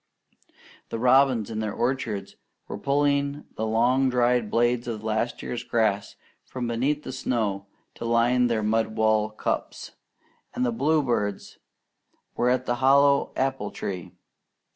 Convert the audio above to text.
The robins in the orchards were pulling the long dried blades of last year's grass from beneath the snow to line their mud walled cups; and the bluebirds were at the hollow apple tree.